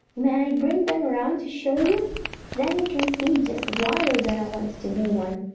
"May I bring them around to show you? Then you can see just why Rosanna wants to be one.